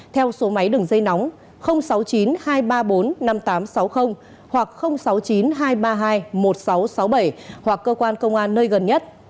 theo số máy đường dây nóng sáu mươi chín hai trăm ba mươi bốn năm nghìn tám trăm sáu mươi hoặc sáu mươi chín hai trăm ba mươi hai một nghìn sáu trăm sáu mươi bảy hoặc cơ quan công an nơi gần nhất